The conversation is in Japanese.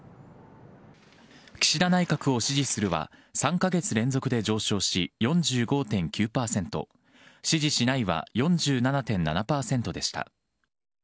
岸田内閣を支持するは、３か月連続で上昇し、４５．９％、支持しないは４７．７％でした。